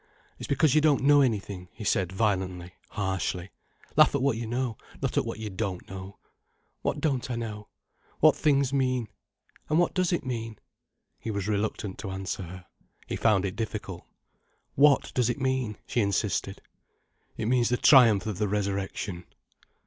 "It's because you don't know anything," he said violently, harshly. "Laugh at what you know, not at what you don't know." "What don't I know?" "What things mean." "And what does it mean?" He was reluctant to answer her. He found it difficult. "What does it mean?" she insisted. "It means the triumph of the Resurrection."